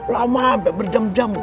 lama sampe berjam jam